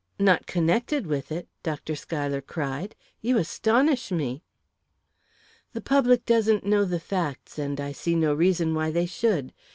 "Not connected with it!" Dr. Schuyler cried. "You astonish me!" "The public doesn't know the facts, and I see no reason why they should.